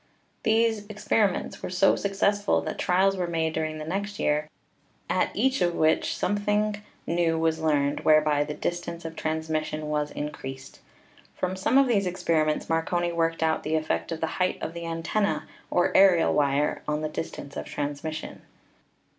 These experiments were so successful that trials were made during the next year, at each of which something new was learned whereby the distance of transmission was increased. From some of these experiments Marconi worked out the effect of the height of the antenna, or aerial wire, on the distance of transmission.